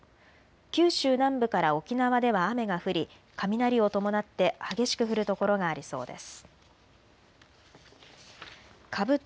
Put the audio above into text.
九州南部から沖縄では雨が降り雷を伴って激しく降る所がありそうです。